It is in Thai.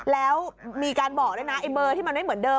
แล้วมีการบอกด้วยนะไอ้เบอร์ที่มันไม่เหมือนเดิ